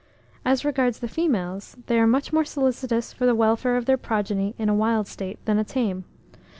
As regards the females, they are much more solicitous for the welfare of their progeny in a wild state than a tame.